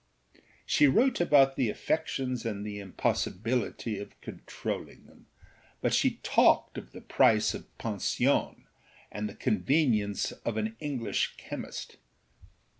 She wrote about the affections and the impossibility of controlling them, but she talked of the price of pension and the convenience of an English chemist.